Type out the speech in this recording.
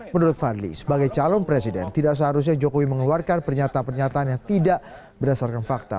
menurut fadli sebagai calon presiden tidak seharusnya jokowi mengeluarkan pernyataan pernyataan yang tidak berdasarkan fakta